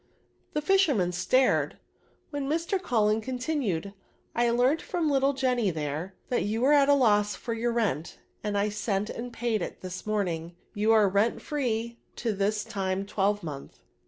The fisherman stared, when Mr. Cul len continued, I learnt from little Jenny there, that you were at a loss for your rent, and I sent and paid it this morning; you are rent free to this time twelvemonth.